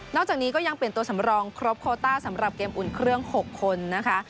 จากนี้ก็ยังเปลี่ยนตัวสำรองครบโคต้าสำหรับเกมอุ่นเครื่อง๖คนนะคะ